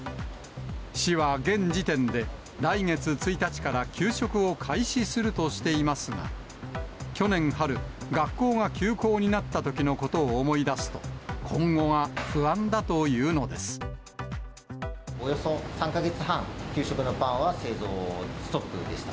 市は現時点で、来月１日から給食を開始するとしていますが、去年春、学校が休校になったときのことを思い出すと、今後が不安だというおよそ３か月半、給食のパンは製造ストップでした。